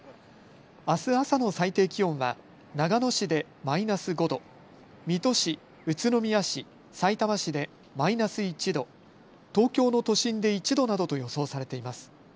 あす朝の最低気温は長野市でマイナス５度、水戸市、宇都宮市、さいたま市でマイナス１度、東京の都心で１度などと予想されています。